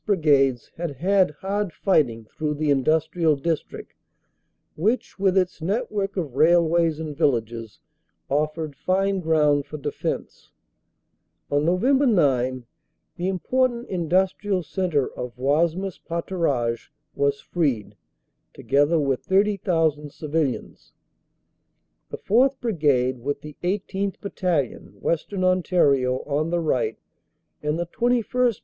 Brigades had had hard fighting through the industrial district which with its net work of railways and villages offered fine ground for defense. On Nov. 9 the important industrial centre of Wasmes Paturages was freed, together with 30,000 civilians. The 4th. Brigade, with the 18th. Battalion, Western Ontario, on the right, and the 21st.